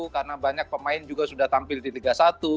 karena banyak pemain juga sudah tampil di liga satu